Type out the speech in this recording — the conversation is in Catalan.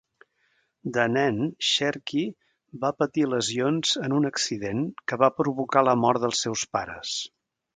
De nen, Sherkey va patir lesions en un accident que va provocar la mort dels seus pares.